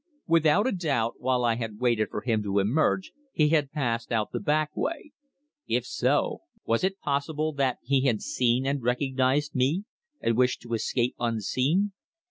Without a doubt, while I had waited for him to emerge, he had passed out by the back way. If so, was it possible that he had seen and recognized me, and wished to escape unseen?